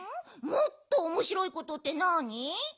もっとおもしろいことってなに？